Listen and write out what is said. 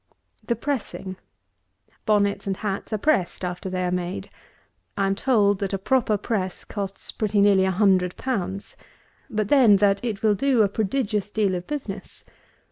234. THE PRESSING. Bonnets and hats are pressed after they are made. I am told that a proper press costs pretty nearly a hundred pounds; but, then, that it will do prodigious deal of business.